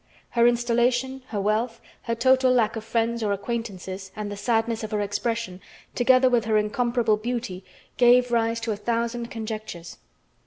Her installation, her wealth, her total lack of friends or acquaintances and the sadness of her expression, together with her incomparable beauty, gave rise to a thousand conjectures.